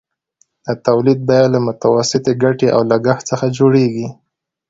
د تولید بیه له متوسطې ګټې او لګښت څخه جوړېږي